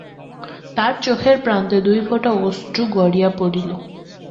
তাহার চোখের প্রান্তে দুই ফোঁটা অশ্রু গড়াইয়া পড়িল।